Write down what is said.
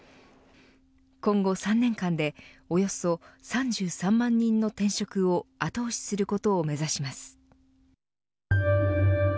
今後３年間でおよそ３３万人の転職を後押しすることを目指します。